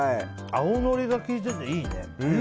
青のりが効いてて、いいね。